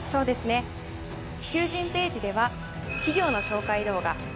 求人ページでは企業の紹介動画。